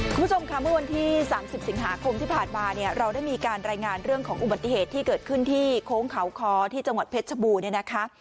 คุณผู้ชมค่ะเมื่อวันที่๓๐สิงหาคมที่ผ่านมาเนี่ยเราได้มีการรายงานเรื่องของอุบัติเหตุที่เกิดขึ้นที่โค้งเขาคอที่จังหวัดเพชรชบูรณเนี่ยนะคะ